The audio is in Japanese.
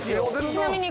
ちなみに。